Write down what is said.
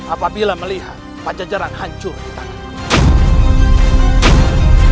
apabila melihat pancajaran hancur di tanahmu